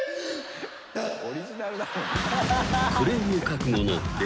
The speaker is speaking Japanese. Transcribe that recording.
オリジナルだもん。